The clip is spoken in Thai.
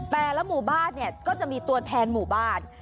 แต่ละหมู่บ้านเนี่ยก็จะมีตัวแทนหมู่บ้าน